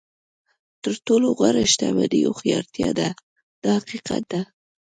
تر ټولو غوره شتمني هوښیارتیا ده دا حقیقت دی.